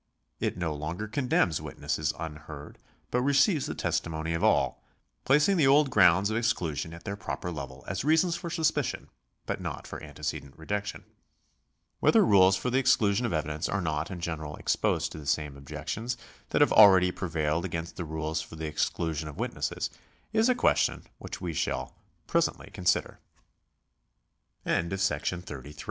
It no longer condemns witnesses unheard, but receives the testimony of all, placing the old grounds of exclusion at their proper level as reasons for suspicion but not for antecedent rejection. Whether rules for the exclusion of evidence are not in general exposed to §174] THE LAW OF PROCEDURE 449 the same objections that have already prevailed against the rules for the exclusion of witnesses is a question which we shall presently cons